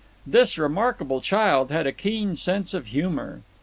This remarkable child had a keen sense of humour.